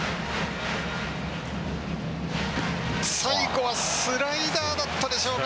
最後はスライダーだったでしょうか。